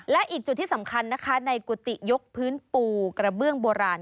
และอีกจุดที่สำคัญนะคะในกุฏิยกพื้นปูกระเบื้องโบราณ